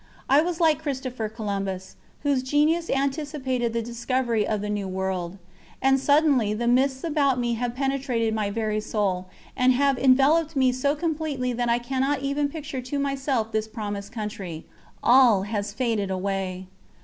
I was like Christopher Columbus, whose genius anticipated the discovery of the New World. And suddenly the mists about me have penetrated my very soul and have enveloped me so completely that I cannot even picture to myself this promised country ... all has faded away.